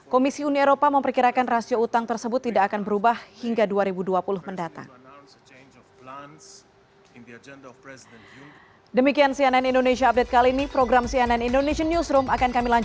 komisi uni eropa memperkirakan rasio utang tersebut berurusan per jangka